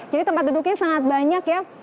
tempat duduknya sangat banyak ya